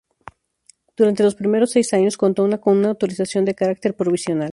Durante los primeros seis años contó con una autorización de carácter provisional.